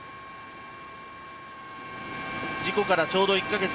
事故からちょうど１か月。